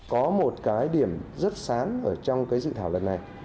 có một cái điểm rất sáng trong dự thảo lần này